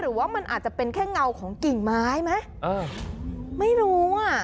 หรือว่ามันอาจจะเป็นแค่เงาของกิ่งไม้ไหมเออไม่รู้อ่ะ